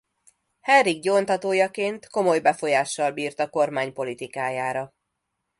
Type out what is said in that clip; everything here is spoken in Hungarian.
Henrik gyóntatójaként komoly befolyással bírt a kormány politikájára.